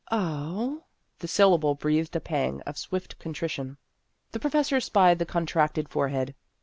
" Oh !" the syllable breathed a pang of swift contrition. The professor spied the contracted forehead.